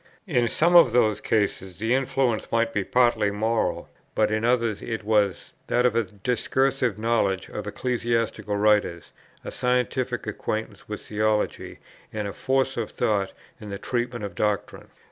In some of those cases the influence might be partly moral, but in others it was that of a discursive knowledge of ecclesiastical writers, a scientific acquaintance with theology, and a force of thought in the treatment of doctrine.